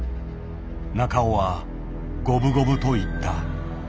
中尾は「五分五分」と言った。